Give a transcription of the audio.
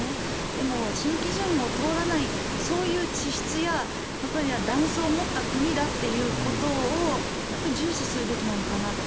でも新基準を通らないそういう地質や断層を持った国だということを重視するべきなのかなと。